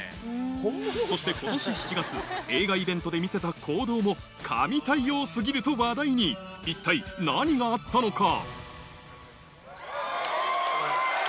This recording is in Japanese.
そして今年７月映画イベントで見せた行動も神対応過ぎると話題に一体何があったのか？